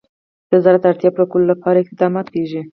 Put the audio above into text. د زراعت د اړتیاوو پوره کولو لپاره اقدامات کېږي.